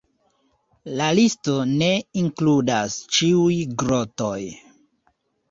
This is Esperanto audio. La listo ne inkludas ĉiuj grotoj.